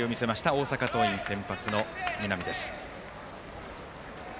大阪桐蔭、先発の南です。